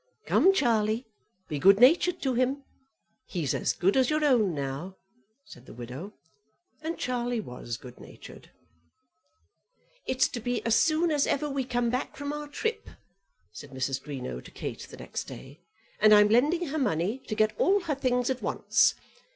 "Come, Charlie, be good natured to him. He's as good as your own now," said the widow. And Charlie was good natured. "It's to be as soon as ever we come back from our trip," said Mrs. Greenow to Kate, the next day, "and I'm lending her money to get all her things at once.